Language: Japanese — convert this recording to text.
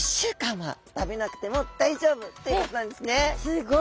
すごい！